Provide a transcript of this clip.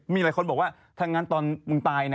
มีหลายคนบอกว่าถ้างั้นตอนมึงตายนะ